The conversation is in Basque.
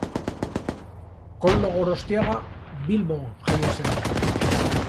Koldo Gorostiaga Bilbon jaio zen.